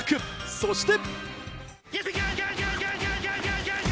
そして。